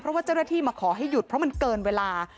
เพราะว่าเจ้าหน้าที่มาขอให้หยุดเพราะมันเกินเวลา